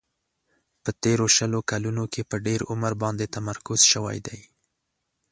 په تیرو شلو کلونو کې په ډېر عمر باندې تمرکز شوی دی.